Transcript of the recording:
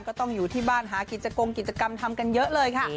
ก็ต้องอยู่ที่บ้านหากิจกงกิจกรรมทำกันเยอะเลยค่ะ